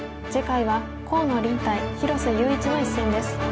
次回は河野臨対広瀬優一の一戦です。